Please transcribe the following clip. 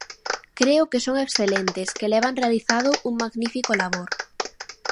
Creo que son excelentes, que levan realizado un magnífico labor.